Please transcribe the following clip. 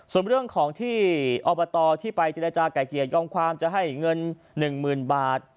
ส่วนเรื่องของที่อบตที่ไปเจรจาก่ายเกลียยอมความจะให้เงิน๑๐๐๐บาท